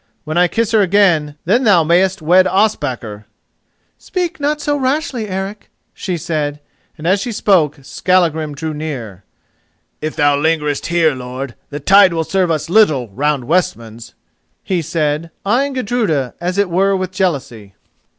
When I kiss her again, then thou mayst wed Ospakar." "Speak not so rashly, Eric," she said, and as she spoke Skallagrim drew near. "If thou lingerest here, lord, the tide will serve us little round Westmans," he said, eyeing Gudruda as it were with jealousy.